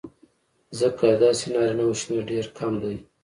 ځکه د داسې نارینهوو شمېر ډېر کم دی